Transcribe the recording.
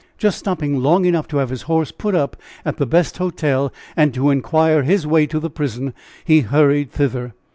Just stopping long enough to have his horse put up at the best hotel and to inquire his way to the prison, he hurried thither.